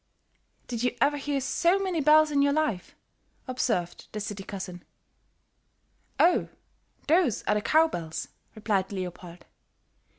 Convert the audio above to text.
"Did you ever hear so many bells in your life?" observed the city cousin. "Oh, those are the cow bells," replied Leopold.